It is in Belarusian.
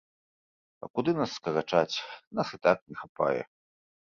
А куды нас скарачаць, нас і так не хапае.